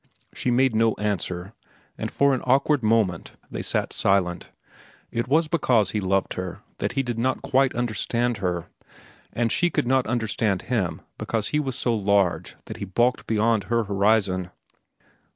She made no answer, and for an awkward moment they sat silent. It was because he loved her that he did not quite understand her, and she could not understand him because he was so large that he bulked beyond her horizon.